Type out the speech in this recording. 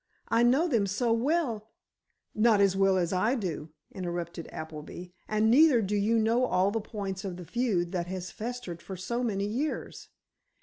I know them so well——" "Not as well as I do," interrupted Appleby, "and neither do you know all the points of the feud that has festered for so many years.